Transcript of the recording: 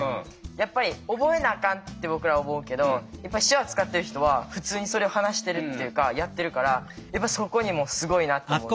やっぱり覚えなあかんって僕ら思うけど手話使ってる人は普通にそれを話してるっていうかやってるからやっぱそこにもすごいなって思うし。